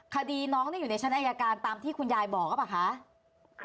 คดีน้องอยู่ในชั้นอายการตามที่คุณยายบอกหรือเปล่าคะ